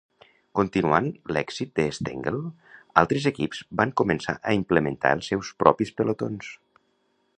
Continuant l'èxit de Stengel, altres equips van començar a implementar els seus propis pelotons.